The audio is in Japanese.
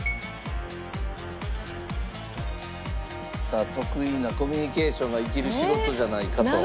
さあ得意なコミュニケーションが生きる仕事じゃないかと。